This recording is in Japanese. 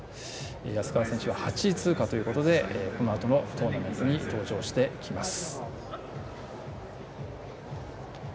安川選手８位通過ということでこのあとのトーナメントに登場していきます。